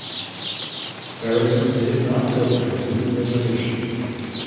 Saracen did not go to the new reservation.